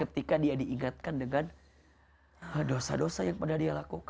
ketika dia diingatkan dengan dosa dosa yang pernah dia lakukan